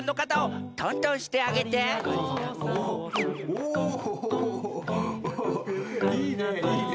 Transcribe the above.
おいいねいいね！